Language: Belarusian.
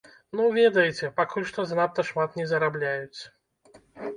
Ну ведаеце, пакуль што занадта шмат не зарабляюць.